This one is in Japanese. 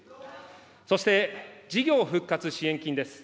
そして、事業復活支援金です。